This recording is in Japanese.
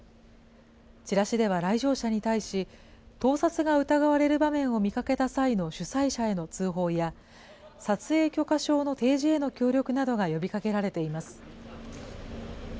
チラシでは来場者に対し、盗撮が疑われる場面を見かけた際の主催者への通報や、撮影許可証の提示への協力などが呼びかけられています。